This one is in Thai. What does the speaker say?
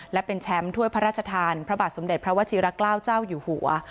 และเป็นแชมป์ถ้วยพระราชทานพระบาทสมเด็จพระวชิระเกล้าเจ้าอยู่หัว